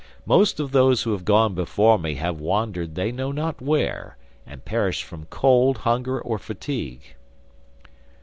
Most of those who have gone before me have wandered they know not where, and perished from cold, hunger, or fatigue.